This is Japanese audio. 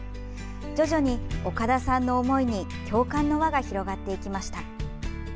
徐々に、岡田さんの思いに共感の輪が広がっていきました。